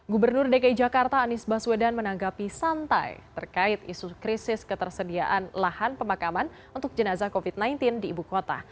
gubernur dki jakarta anies baswedan menanggapi santai terkait isu krisis ketersediaan lahan pemakaman untuk jenazah covid sembilan belas di ibu kota